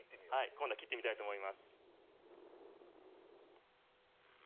今度は切ってみたいと思います。